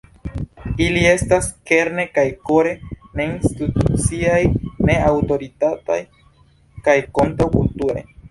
Ili estas, kerne kaj kore, ne-instituciaj, ne-aŭtoritataj, kaj kontraŭ-kulturaj.